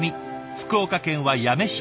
福岡県は八女市。